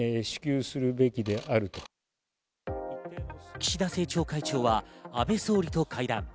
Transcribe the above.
岸田政調会長は安倍総理と会談。